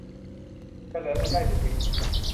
จะเหลือเงินได้สุทธิ